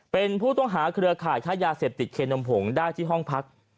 เป็นผู้ต้องหาเครือข่ายค่ายาเสพติดเคนมผงได้ที่ห้องพัก